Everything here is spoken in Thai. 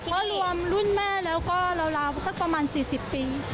เพราะรวมรุ่นแม่แล้วก็ประมาณสี่สิบปี